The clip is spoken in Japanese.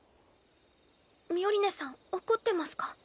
ミオリネさん怒ってますか？